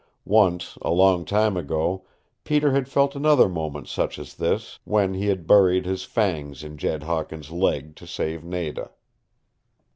Once, a long time ago, Peter had felt another moment such as this when he had buried his fangs in Jed Hawkins' leg to save Nada.